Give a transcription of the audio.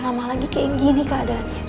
lama lagi kayak gini keadaannya